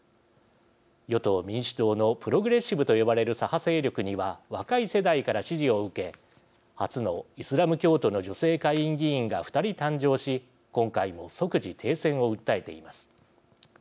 与党・民主党のプログレッシブと呼ばれる左派勢力には若い世代から支持を受け初のイスラム教徒の女性下院議員が２人誕生し今回も即時停戦を訴えています。